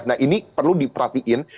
nah ini perlu diperhatiin